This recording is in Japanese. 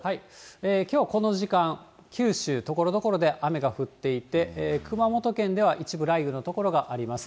きょうはこの時間、九州、ところどころで雨が降っていて、熊本県では一部雷雨の所があります。